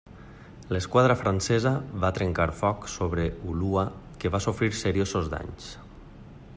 L'esquadra francesa va trencar foc sobre Ulúa que va sofrir seriosos danys.